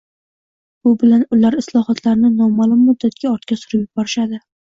Bu bilan ular islohotlarni noma’lum muddatga ortga surib yuborishadi.